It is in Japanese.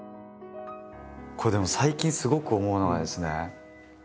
これでも最近すごく思うのがですね